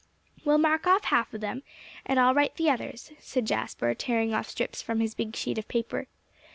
"Well, mark off half of 'em, and I'll write the others," said Jasper, tearing off strips from his big sheet of paper.